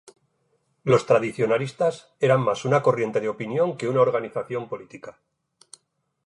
Los tradicionalistas eran más una corriente de opinión que una organización política.